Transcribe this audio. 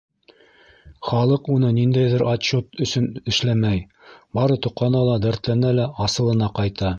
Халыҡ уны ниндәйҙер отчет өсөн эшләмәй, бары тоҡана ла, дәртләнә лә - асылына ҡайта.